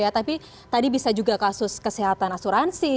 tapi tadi bisa juga kasus kesehatan asuransi